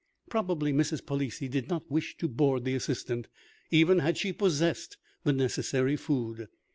Probably Mrs. Palissy did not wish to board the assistant, even had she possessed the necessary food.